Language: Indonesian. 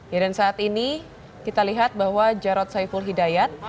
ya dan saat ini kita lihat bahwa jarod saiful hidayat